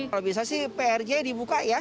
kalau bisa sih prj dibuka ya